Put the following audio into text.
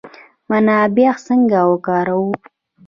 منابع څنګه وکاروو؟